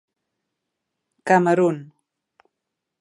Camerun.